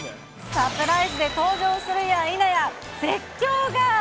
サプライズで登場するやいなや、絶叫が。